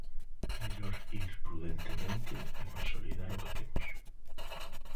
Mellor ir prudentemente e consolidar o que temos.